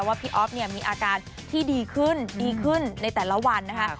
พี่อ๊อฟเนี่ยมีอาการที่ดีขึ้นดีขึ้นในแต่ละวันนะคะ